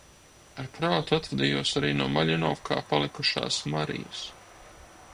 Ar prātu atvadījos arī no Maļinovkā palikušās Marijas.